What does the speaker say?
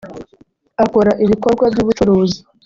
akora ibikorwa by’ ubucuruzi.